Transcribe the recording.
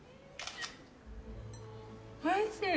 おいしい！